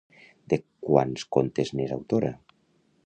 De quants contes n'és autora?